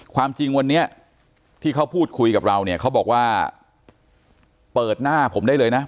ความจริงวันนี้ที่เขาพูดคุยกับเราเนี่ยเขาบอกว่าเปิดหน้าผมได้เลยนะ